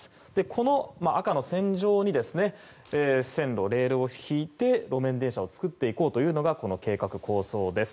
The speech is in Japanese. この赤の線上に線路、レールを敷いて造っていこうというのがこの計画構想です。